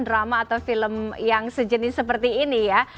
drama atau film yang sejenis seperti ini ya